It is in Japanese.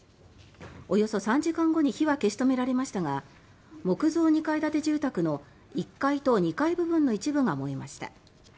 およそ３時間後に火は消し止められましたが木造２階建て住宅の１階と２階部分の一部が燃えました。